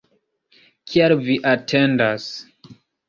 Kial vi atendas?